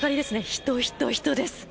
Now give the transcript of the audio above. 人、人、人です。